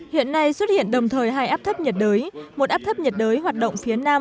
hiện nay xuất hiện đồng thời hai áp thấp nhiệt đới một áp thấp nhiệt đới hoạt động phía nam